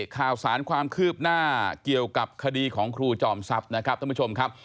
ข่าวสารความคืบหน้าเกี่ยวกับคดีของครูจอมทรัพย์นะครับท่านผู้ชมครับ